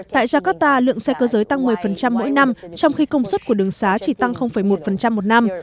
tại jakarta lượng xe cơ giới tăng một mươi mỗi năm trong khi công suất của đường xá chỉ tăng một một năm